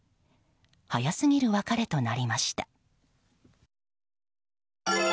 早すぎる別れとなりました。